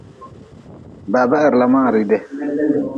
Baba heri la ma-n riidi.